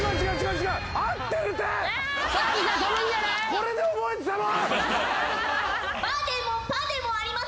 これで覚えてたの！